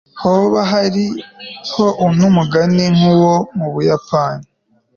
hoba hariho n'umugani nk'uwo mu buyapani